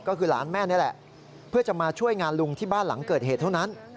ก็คือหลานแม่นี่แหละเพื่อจะมาช่วยงานลุงที่บ้านหลังเกิดเหตุเท่านั้น